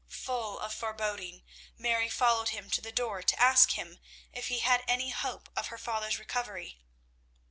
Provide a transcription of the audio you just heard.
Full of foreboding, Mary followed him to the door to ask him if he had any hope of her father's recovery.